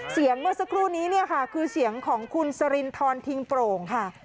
เสียงเมื่อสักครู่นี้คือเสียงของคุณสรินทรทิงโปร่งค่ะ